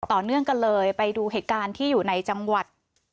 ต่อเนื่องกันเลยไปดูเหตุการณ์ที่อยู่ในจังหวัด